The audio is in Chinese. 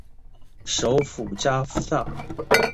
首府加夫萨。